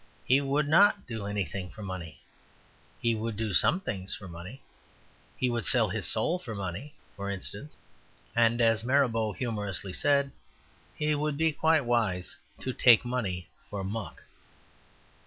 He would not do anything for money. He would do some things for money; he would sell his soul for money, for instance; and, as Mirabeau humorously said, he would be quite wise "to take money for muck."